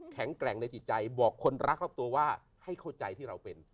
แข็งแกร่งในจิตใจบอกคนรักรอบตัวว่าให้เข้าใจที่เราเป็น